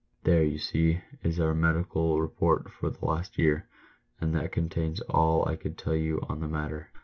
There, you see, is our medical report for the last year, and that contains all I could tell you on the matter."